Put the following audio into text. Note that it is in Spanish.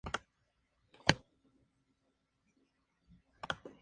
Fue un humorista reconocido en The Washington Post.